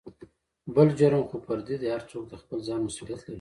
بل جرم خو فردي دى هر څوک دخپل ځان مسولېت لري.